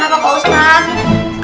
betapa pak ustadz